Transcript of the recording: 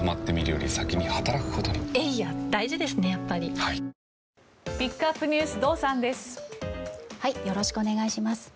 よろしくお願いします。